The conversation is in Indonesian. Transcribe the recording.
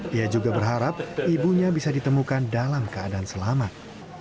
dia juga berharap ibunya bisa ditemukan dalam keadaan selamat